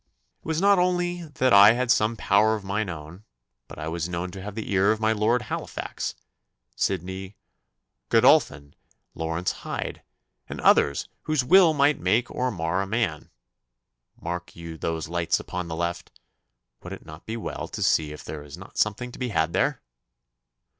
It was not only that I had some power of mine own, but I was known to have the ear of my Lord Halifax, Sidney Godolphin, Lawrence Hyde, and others whose will might make or mar a man. Mark you those lights upon the left! Would it not be well to see if there is not something to be had there?